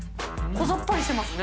こざっぱりしてますね。